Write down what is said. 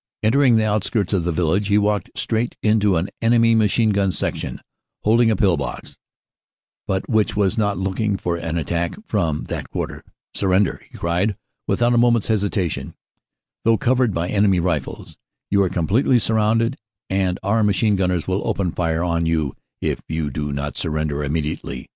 Entering the out skirts of the village he walked straight into an enemy machine gun section, holding a pill box, but which was not looking for an attack from that quarter. "Surrender," he cried without a moment s hesitation, though covered by enemy rifles. "You are completely surrounded and our machine gunners will open fire on you if you do not surrender immediately."